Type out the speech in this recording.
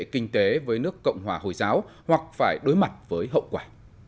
kinh tế với nước cộng hòa hồi giáo hoặc phải đối mặt với hậu quả